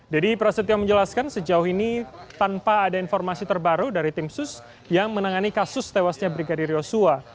dedy prasetyo menjelaskan sejauh ini tanpa ada informasi terbaru dari tim sus yang menangani kasus tewasnya brigadir yosua